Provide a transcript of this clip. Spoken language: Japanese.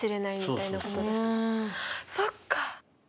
そっか。